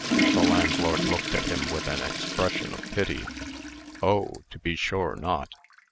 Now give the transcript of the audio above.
The landlord looked at him with an expression of pity "Oh! to be sure not.